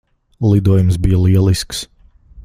Lidojums bija lielisks.